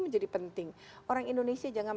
menjadi penting orang indonesia jangan